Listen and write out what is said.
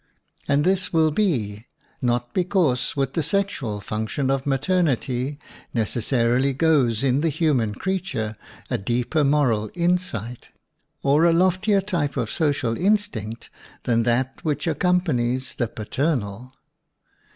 And this will be, not because with the sexual func tion of maternity necessarily goes in the human creature a deeper moral insight, or a loftier type of social instinct than WOMAN AND WAR that which accompanies the paternal.